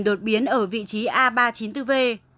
đột biến ở vị trí a ba trăm chín mươi bốn v